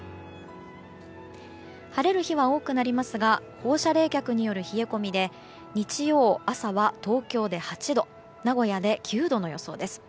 晴れる日は多くなりますが放射冷却による冷え込みで日曜朝は東京で８度名古屋で９度の予想です。